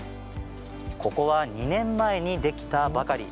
ここは２年前にできたばかり。